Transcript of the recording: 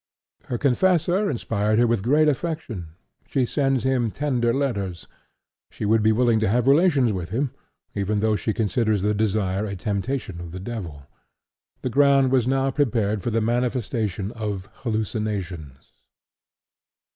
Her confessor inspired her with great affection; she sends him tender letters. She would be willing to have relations with him, even though she considers the desire a temptation of the devil. The ground was now prepared for the manifestation of hallucinations.